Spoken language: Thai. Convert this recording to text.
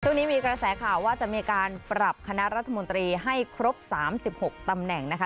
ช่วงนี้มีกระแสข่าวว่าจะมีการปรับคณะรัฐมนตรีให้ครบ๓๖ตำแหน่งนะคะ